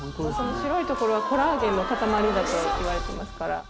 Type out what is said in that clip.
白い所はコラーゲンの塊だといわれてます。